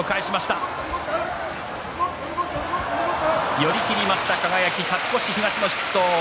寄り切りました、輝勝ち越しました、東の筆頭。